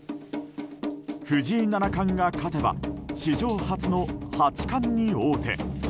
藤井七冠が勝てば史上初の八冠に王手。